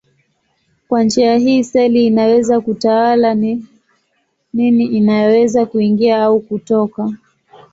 Kwa njia hii seli inaweza kutawala ni nini inayoweza kuingia au kutoka.